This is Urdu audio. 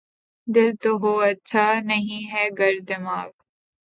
دل تو ہو‘ اچھا‘ نہیں ہے گر دماغ